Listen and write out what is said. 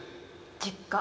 「実家？」